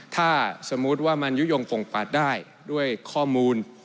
ถ้าสมมุติว่ามันยุโยงปงปัดได้ด้วยข้อมูล